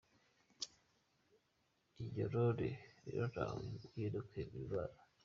Iyo role rero ntaho bihuriye no kwemera Imana.